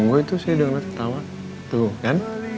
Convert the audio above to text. gue itu sedang nonton tawa tuh kan